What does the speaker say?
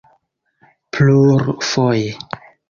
plurfoje